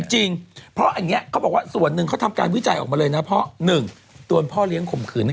จริงเพราะส่วนหนึ่งเขาทำการวิจัยออกมาเลยนะเพราะหนึ่ง